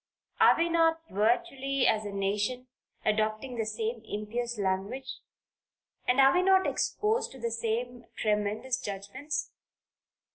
Are we not virtually as a nation adopting the same impious language, and are we not exposed to the same tremendous judgments?